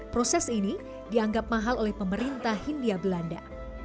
proses ini dianggap mahal oleh pemerintah hindia belanda